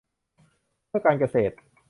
เพื่อการเกษตร